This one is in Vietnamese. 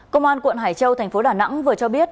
công an quận hải châu thành phố đà nẵng vừa cho biết